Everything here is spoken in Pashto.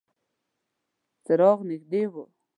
څراغ نږدې و.